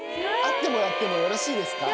会ってもらってもよろしいですか。